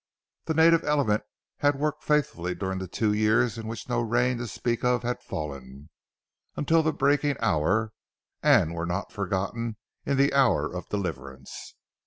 The native element had worked faithfully during the two years in which no rain to speak of had fallen, until the breaking hour, and were not forgotten in the hour of deliverance.